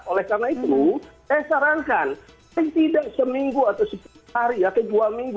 oleh karena itu saya sarankan paling tidak seminggu atau sepuluh hari atau dua minggu